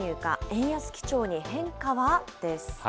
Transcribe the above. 円安基調に変化は？です。